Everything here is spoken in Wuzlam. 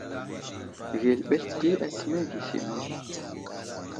Ghay i erɓels di atimeŋ ghay i simaŋ.